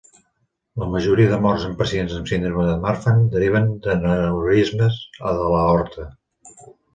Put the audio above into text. La majoria de morts en pacients amb síndrome de Marfan deriven d'aneurismes de l'aorta.